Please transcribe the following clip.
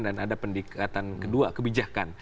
dan ada pendekatan kedua kebijakan